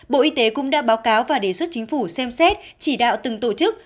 bộ y tế cũng đã báo cáo và đề xuất chính phủ xem xét chỉ đạo từng tổ chức